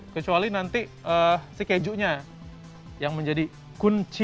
kecuali nanti si kejunya yang menjadi kunci